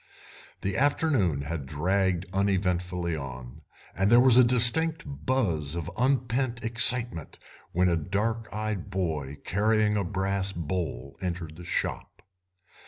The afternoon had dragged uneventfully on, and there was a distinct buzz of unpent excitement when a dark eyed boy carrying a brass bowl entered the shop.